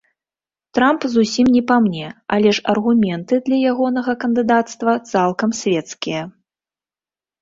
Трамп зусім не па мне, але ж аргументы для ягонага кандыдацтва цалкам свецкія.